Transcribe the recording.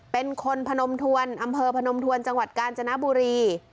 เป็นคนพนมทวนอำเภอพนมทวนจังหวัดกาญจนบุรี